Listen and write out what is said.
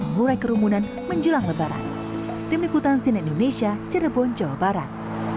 mengurai kerumunan menjelang lebaran tim liputan sine indonesia cirebon jawa barat